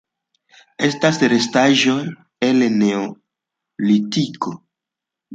Estas restaĵoj el Neolitiko.